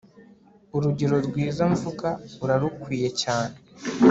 urugero rwiza mvuga urarukwiye cyane